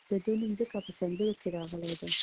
د ده نوم ځکه په سندرو کې راغلی دی.